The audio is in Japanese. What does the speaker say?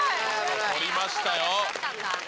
取りましたよ。